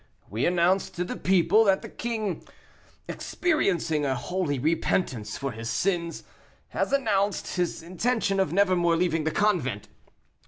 We announced to the people that the king, experiencing a holy repentance for his sins, has announced his intention of never more leaving the convent.